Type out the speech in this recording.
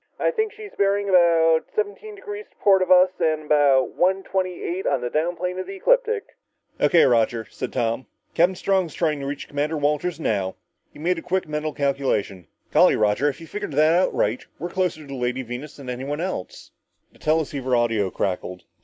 "I think she's bearing about seventeen degrees to port of us, and about one twenty eight on the down plane of the ecliptic." "O.K., Roger," said Tom. "Captain Strong's trying to reach Commander Walters now." He made a quick mental calculation. "Golly, Roger if you've figured it right, we're closer to the Lady Venus than anyone else!" The teleceiver audio crackled.